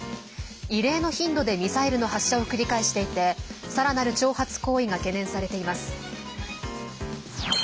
異例の頻度でミサイルの発射を繰り返していてさらなる挑発行為が懸念されています。